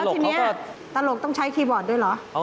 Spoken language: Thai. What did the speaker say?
ทีนี้ตลกต้องใช้คีย์บอร์ดด้วยเหรอ